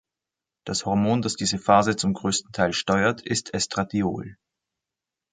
Das Hormon, das diese Phase zum größten Teil steuert, ist Estradiol.